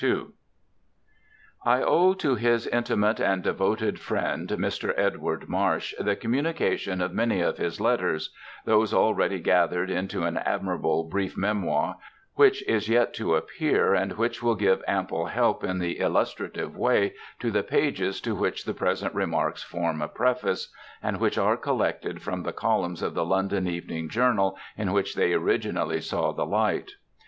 II I owe to his intimate and devoted friend Mr Edward Marsh the communication of many of his letters, these already gathered into an admirable brief memoir which is yet to appear and which will give ample help in the illustrative way to the pages to which the present remarks form a preface, and which are collected from the columns of the London evening journal in which they originally saw the light.